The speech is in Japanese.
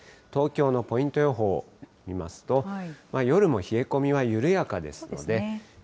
東京のポイント予報見ますと、夜も冷え込みは緩やかですね。